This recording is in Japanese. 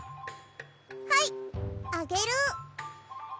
はいあげる。